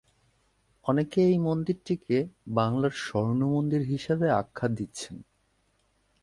অনেকে এই মন্দিরটিকে বাংলার ‘স্বর্ণ মন্দির’ হিসেবেও আখ্যা দিচ্ছেন।